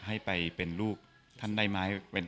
ให้ไปเป็นลูกท่านได้ไหม